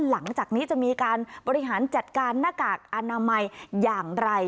หลังจากนี้จะมีการบริหารจัดการหน้ากากอนามัยอย่างไร